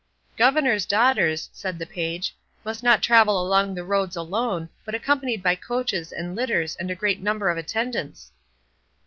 "Governors' daughters," said the page, "must not travel along the roads alone, but accompanied by coaches and litters and a great number of attendants."